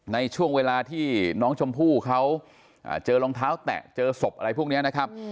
ในช่วงเวลาที่น้องชมพู่เขาเจอรองเท้าแตะเจอศพอะไรพวกนี้นะครับ